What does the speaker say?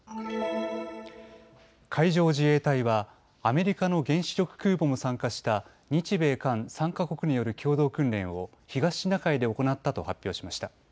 海上自衛隊はアメリカの原子力空母も参加した日米韓３か国による共同訓練を東シナ海で行ったと発表しました。